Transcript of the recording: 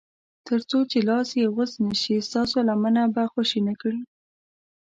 تر څو چې لاس یې غوڅ نه شي ستاسو لمنه به خوشي نه کړي.